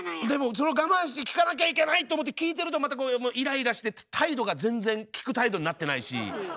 でもそれを我慢して聞かなきゃいけない！と思って聞いてるとまたこうイライラして態度が全然聞く態度になってないし。